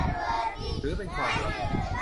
ถือเป็นความลับ